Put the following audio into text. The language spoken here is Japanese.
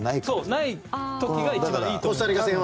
ない時が一番いいと思います。